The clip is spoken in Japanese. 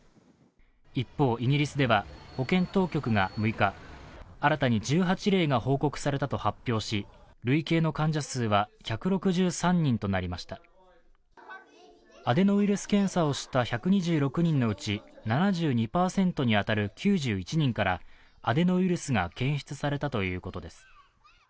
一方、イギリスでは保健当局が６日、新たに１８例が報告されたと発表し累計の患者数は１６３人となりましたアデノウイルス検査をした１２６人のうち７２％に当たる９１人からアデノウイルスが検出されたということです。